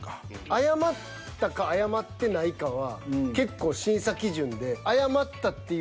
謝ったか謝ってないかは結構審査基準で。